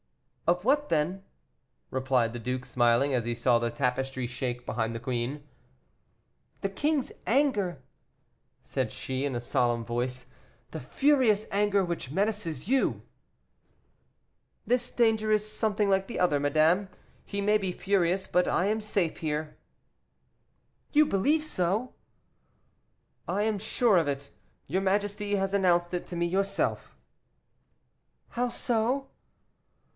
"Of what, then?" replied the duke, smiling, as he saw the tapestry shake behind the queen. "The king's anger," said she, in a solemn voice; "the furious anger which menaces you " "This danger is something like the other, madame; he may be furious, but I am safe here." "You believe so?" "I am sure of it; your majesty has announced it to me yourself." "How so?"